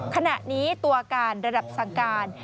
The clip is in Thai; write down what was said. ขณะนี้ตัวการระดับสั่งการ